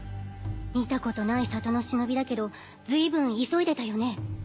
見たことない里の忍だけどずいぶん急いでたよね。